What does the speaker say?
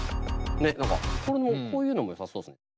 何かこういうのもよさそうですね。